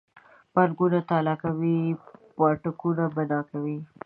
بانکونه تالا کوي پاټکونه بنا کوي.